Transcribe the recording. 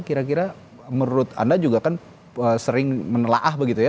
kira kira menurut anda juga kan sering menelaah begitu ya